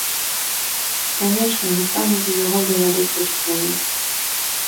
Канешне, настаўнік з яго беларускай школай.